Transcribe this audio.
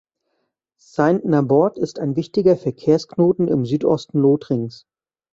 Saint-Nabord ist ein wichtiger Verkehrsknoten im Südosten Lothringens.